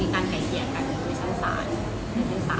ในชั้นศาลในชั้นศาลแล้วนะคะ